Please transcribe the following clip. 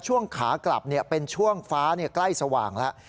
ช่วงขากลับเป็นช่วงฟ้าใกล้สว่างแล้ว